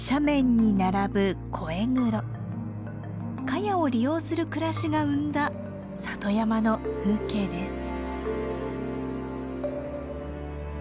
カヤを利用する暮らしが生んだ里山の風景です。